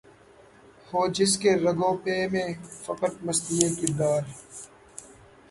ہو جس کے رگ و پے میں فقط مستی کردار